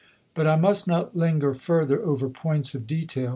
But I must not linger further over points of detail.